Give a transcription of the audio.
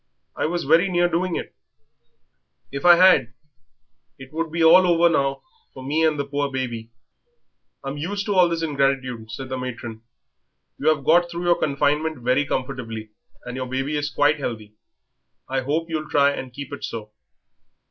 I was very near doing it. If I had it would be all over now for me and the poor baby." "I'm used to all this ingratitude," said the matron. "You have got through your confinement very comfortably, and your baby is quite healthy; I hope you'll try and keep it so.